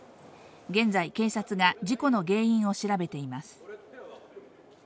現在、警察が事故の原因を調べています。